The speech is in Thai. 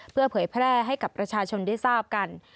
เพื่อเผยแพร่ให้กับประชาชนได้ทราบกัน